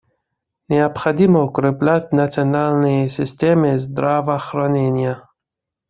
Необходимо укреплять национальные системы здравоохранения.